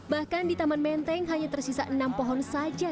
bahkan di taman menteng hanya tersisa enam pohon saja